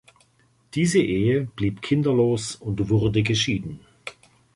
Diese Ehe blieb kinderlos und wurde geschieden.